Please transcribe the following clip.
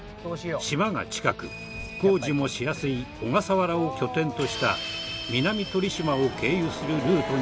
島が近く工事もしやすい小笠原を拠点とした南鳥島を経由するルートに変更。